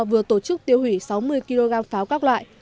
vừa tổ chức tiêu hủy sáu mươi kg pháo các loại